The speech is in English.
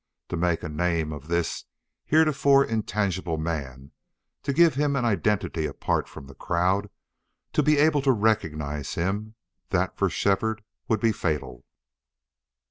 To make a name of this heretofore intangible man, to give him an identity apart from the crowd, to be able to recognize him that for Shefford would be fatal.